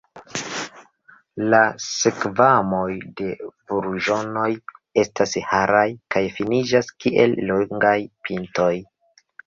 La skvamoj de burĝonoj estas haraj kaj finiĝas kiel longaj pintoj.